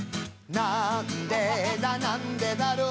「なんでだなんでだろう」